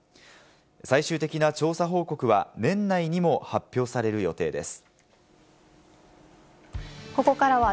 最終的な調査報告は年内にも発表される予定です。